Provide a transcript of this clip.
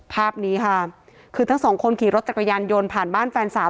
ภาพนี้ค่ะคือทั้งสองคนขี่รถจักรยานยนต์ผ่านบ้านแฟนสาว